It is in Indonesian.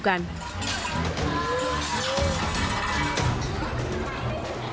dan juga diperlukan